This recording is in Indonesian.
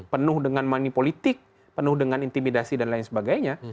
penuh dengan manipolitik penuh dengan intimidasi dan lain sebagainya